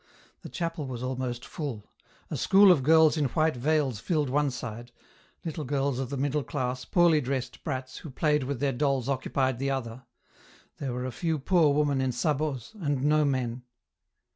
The chapel was almost full ; a school of girls in white veils filled one side ; little girls of the middle class, poorly dressed brats who pla3'ed with their dolls occupied the other. There were a few poor women in sabots^ and no men.